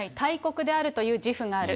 大国であるという自負がある。